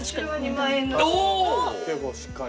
結構しっかり。